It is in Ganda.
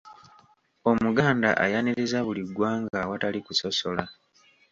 Omuganda ayaniriza buli ggwanga awatali kusosola.